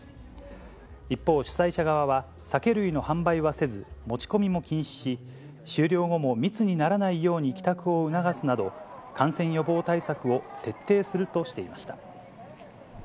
一方、主催者側は、酒類の販売はせず、持ち込みも禁止し、終了後も密にならないように帰宅を促すなど、感染予防対策を徹底するとしていました。